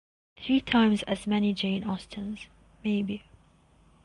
Three times as many Jane Austens, maybe.